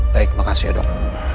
baik makasih ya dok